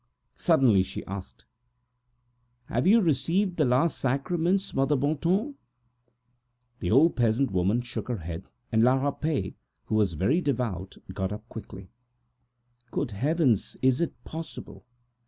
Suddenly she asked: "Have you received the last sacrament, Mother Bontemps?" The old peasant woman said "No" with her head, and La Rapet, who was very devout, got up quickly: "Good heavens, is it possible?